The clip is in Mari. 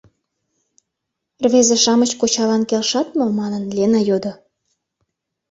Рвезе-шамыч кочалан келшат мо, манын Лена йодо.